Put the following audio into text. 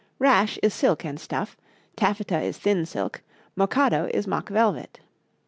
Rash is silk and stuff, taffeta is thin silk, mochado is mock velvet.